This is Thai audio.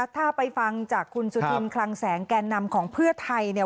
ถ้าไปฟังจากคุณสุธินคลังแสงแก่นำของเพื่อไทยเนี่ย